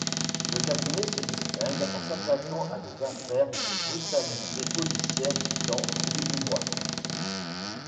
Le cabinet se distingue en s'attaquant à des affaires de brutalité policière dans l'Illinois.